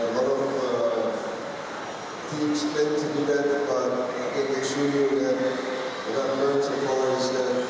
tapi juga bagi semua para penggemar juventus